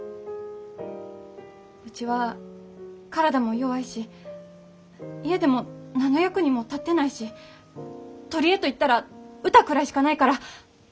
うちは体も弱いし家でも何の役にも立ってないし取り柄と言ったら歌くらいしかないからだから。